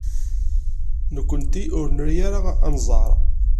Nekkenti ur nri ara anẓar.